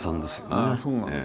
ああそうなんです。